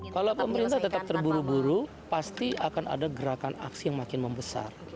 kalau pemerintah tetap terburu buru pasti akan ada gerakan aksi yang makin membesar